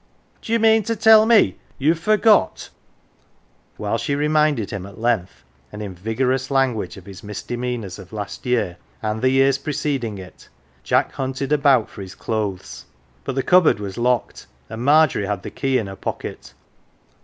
" D'ye mean to tell me you've forgot " While she reminded him at length, and in vigorous language, of his misdemeanours of last year and the years preceding it> Jack hunted about for his clothes. But the cupboard was locked and Margery had the key in her pocket.